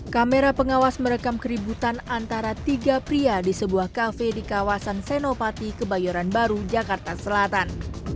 kamera pengawas merekam keributan antara tiga pria di sebuah kafe di kawasan senopati kebayoran baru jakarta selatan